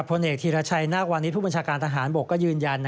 พลเอกธีรชัยนาควานิสผู้บัญชาการทหารบกก็ยืนยัน